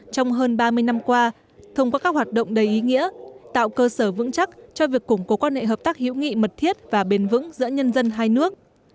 trong hơn ba mươi năm qua thông qua các hoạt động đầy ý nghĩa tạo cơ sở vững chắc cho việc củng cố quan hệ hợp tác hữu nghị mật thiết và bền vững giữa nhân dân hai nước